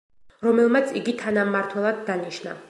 რომელმაც იგი თანამმართველად დანიშნა.